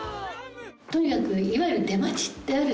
とにかくいわゆる出待ちってあるでしょ？